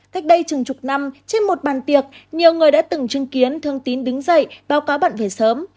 cách đây chừng chục năm trên một bàn tiệc nhiều người đã từng chứng kiến thương tin đứng dậy báo cáo bạn về sớm